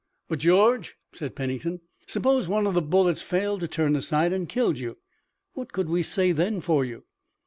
"But, George," said Pennington, "suppose one of the bullets failed to turn aside and killed you. What could we say then for you?"